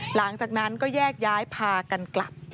หลังจากนั้นก็แยกย้ายพากันกลับ